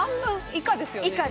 以下です